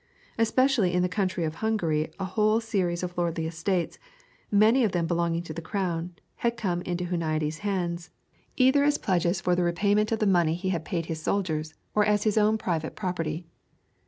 Especially in the south of Hungary a whole series of lordly estates, many of them belonging to the crown, had come into Huniades' hands, either as pledges for the repayment of the money he had paid his soldiers, or as his own private property.